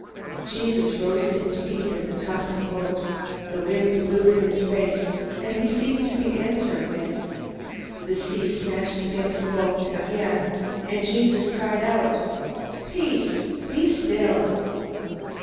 Jesus rose to his feet in the tossing boat. The wind blew in his face, and he seemed to be answering it. The sea smashed against the boat again, and Jesus cried out, "Peace, be still!"